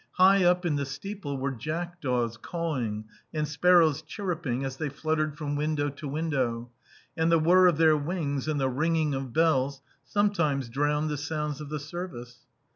High up in the steeple were jackdaws cawing and sparrows chirruping as they fluttered from window to window, and the whir of their wings and the ringing of bells some times drowned the sounds of the service.